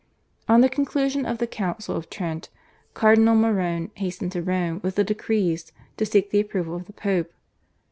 On the conclusion of the Council of Trent Cardinal Morone hastened to Rome with the decrees to seek the approval of the Pope.